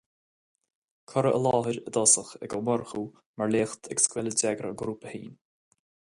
Curtha i láthair i dtosach ag Ó Murchú mar léacht ag scoil a d'eagraigh an grúpa féin.